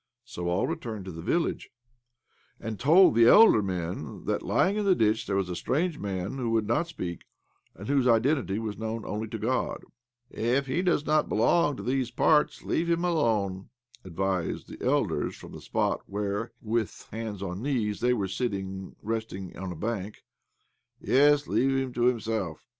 So all returned to the village, and told the elder men that, lying in a ditch, there OBLOMOV 87 was a strange man who would not speak, and whose identity was known only to God. "If he does not belong to these parts, leave him alone," advised the elders from the spot where, with hands on knees, they were sitting resting on a bank. " Yes, leave him to himself.